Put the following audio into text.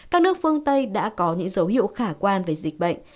các nước phương tây đã có những dấu hiệu khả quan về dịch bệnh